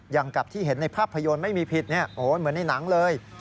อย่างกับที่เห็นในภาพยนตร์ไม่มีผิดเหมือนในหนังเลย